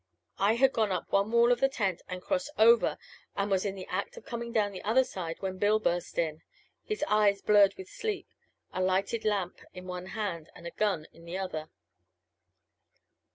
I had gone up one wall of the tent and had crossed over and was in the act of coming down the other side when Bill burst in, his eyes blurred with sleep, a lighted lamp in one hand and a gun in the other.